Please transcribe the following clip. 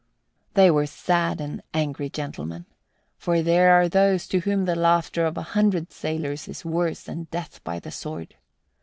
They were sad and angry gentlemen, for there are those to whom the laughter of a hundred sailors is worse than death by the sword.